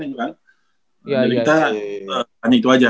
jadi kita hanya itu aja